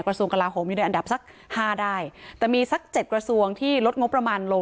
กระทรวงกลาโหมอยู่ในอันดับสักห้าได้แต่มีสักเจ็ดกระทรวงที่ลดงบประมาณลง